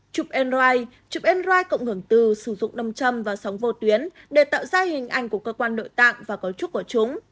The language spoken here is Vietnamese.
chụp n ride chụp n ride cộng ngưỡng từ sử dụng nông châm và sóng vô tuyến để tạo ra hình ảnh của cơ quan nội tạng và cấu trúc của chúng